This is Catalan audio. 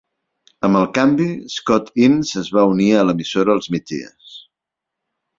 Amb el canvi, Scott Innes es va unir a l'emissora als migdies.